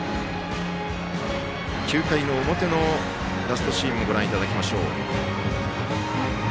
９回の表のラストシーンもご覧いただきましょう。